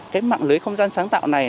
cái mạng lưới không gian sáng tạo này